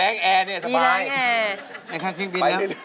ให้ยินให้ไงสมายไม่ได้